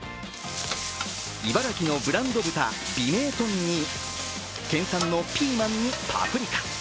茨城のブランド豚、美明豚に県産のピーマンにパプリカ。